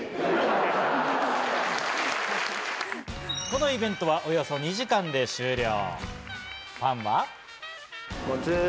このイベントはおよそ２時間で終了。